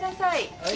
はい。